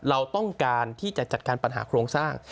เราต้องการที่จะจัดการปัญหาโครงสร้าง